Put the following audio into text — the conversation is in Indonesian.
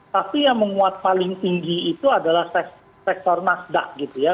tapi yang menguat paling tinggi itu adalah sektor nasdaq gitu ya